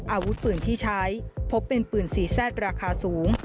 อาวุธปืนที่ใช้พบเป็นปืนสีแซดราคาสูง